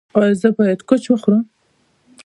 ایا زه باید کوچ وخورم؟